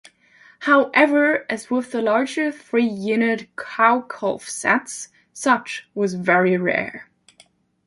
However, as with the larger three unit Cow-calf sets, such was very rare.